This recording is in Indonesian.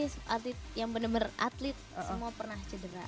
semua pasti yang bener bener atlet semua pernah cederha